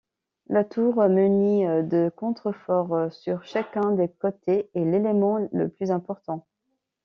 La tour munie de contreforts sur chacun des côtés est l'élément le plus important.